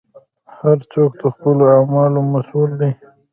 هر څوک د خپلو اعمالو مسوول دی.